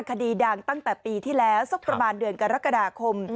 คดีดังตั้งแต่ปีที่แล้วสักประมาณเดือนกรกฎาคม